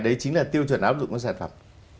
đấy chính là tiêu chuẩn áp dụng các sản phẩm